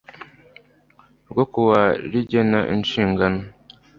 ryo kuwa rigena inshingano